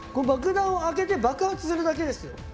バクダンを開けて爆発するだけです。